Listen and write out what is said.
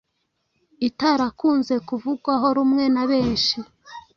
itarakunze kuvugwaho rumwe na benshi